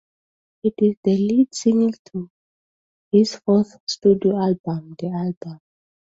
It is the lead single to his fourth studio album "The Album".